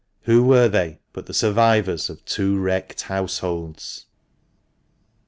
Who were they but the survivors of two wrecked households ?